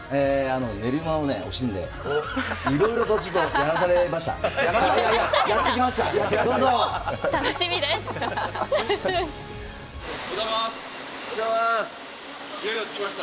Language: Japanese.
寝る間を惜しんでいろいろとやらされました。